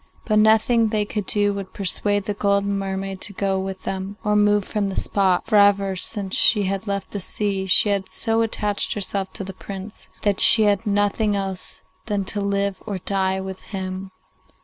But nothing they could do would persuade the golden mermaid to go with them or move from the spot, for ever since she had left the sea, she had so attached herself to her Prince that she asked nothing else than to live or die with him.